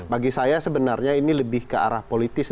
bagi saya sebenarnya ini lebih ke arah politis